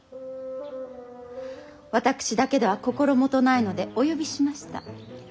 私だけでは心もとないのでお呼びしました。